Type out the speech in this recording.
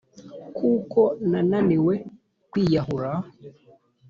Kuko nananiwe kwiyahura